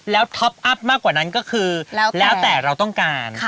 แล้วท็อปอัพมากกว่านั้นก็คือแล้วแต่เราต้องการ